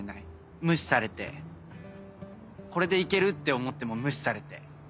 無視されてこれでいけるって思っても無視されて。